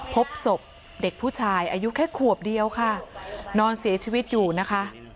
พบศพเด็กผู้ชายอายุแค่ขวบเดียวค่ะนอนเสียชีวิตอยู่นะคะ